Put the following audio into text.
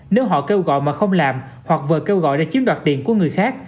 nếu họ kêu gọi mà không làm hoặc vừa kêu gọi để chiếm đoạt tiền của người khác